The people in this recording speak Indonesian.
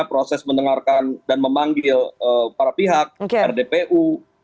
proses mendengarkan dan memanggil para pihak rdpu